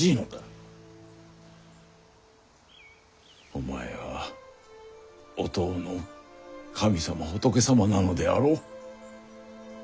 お前はおとうの神様仏様なのであろう？